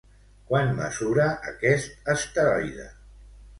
Quant mesura aquest asteroide?